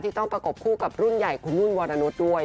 ต้องประกบคู่กับรุ่นใหญ่คุณนุ่นวรนุษย์ด้วย